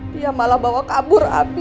dia malah bawa kabur api